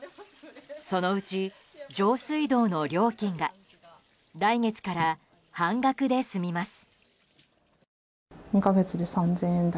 そのうち上水道の料金が来月から半額で済みます。